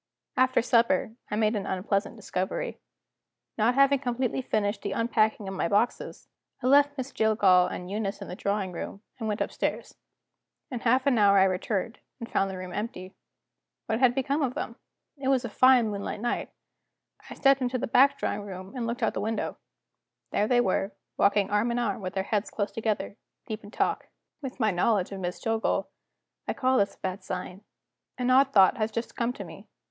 After supper, I made an unpleasant discovery. Not having completely finished the unpacking of my boxes, I left Miss Jillgall and Eunice in the drawing room, and went upstairs. In half an hour I returned, and found the room empty. What had become of them? It was a fine moonlight night; I stepped into the back drawing room, and looked out of the window. There they were, walking arm in arm with their heads close together, deep in talk. With my knowledge of Miss Jillgall, I call this a bad sign. An odd thought has just come to me.